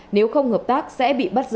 nếu không hợp tác sẽ bị bắt giữ